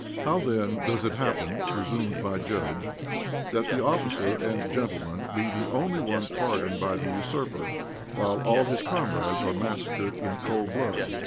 "How, then, does it happen," resumed my judge, "that the officer and gentleman be the only one pardoned by the usurper, while all his comrades are massacred in cold blood?